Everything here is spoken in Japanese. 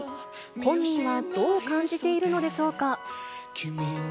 本人はどう感じているのでしょうか。